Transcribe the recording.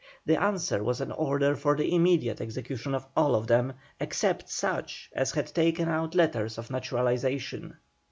The answer was an order for the immediate execution of all of them, except such as had taken out letters of naturalization.